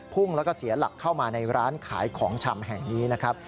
พุ่งแล้วก็เสียหลักเข้ามาในร้านขายของชำแห่งนี้นะครับ